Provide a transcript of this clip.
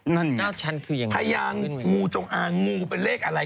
นั่นมั้ยพยางงูจงอางงูเป็นเลขอะไร